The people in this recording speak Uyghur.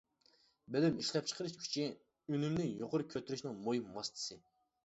بىلىم ئىشلەپچىقىرىش كۈچى، ئۈنۈمنى يۇقىرى كۆتۈرۈشنىڭ مۇھىم ۋاسىتىسى.